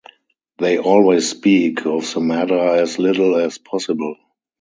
They always speak of the matter as little as possible.